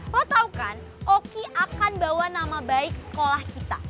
kau tahu kan oki akan bawa nama baik sekolah kita